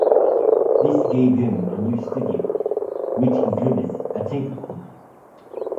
This gave him a new studio, which included a tape recorder.